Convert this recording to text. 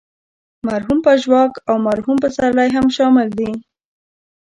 مرحوم پژواک او مرحوم پسرلی هم شامل دي.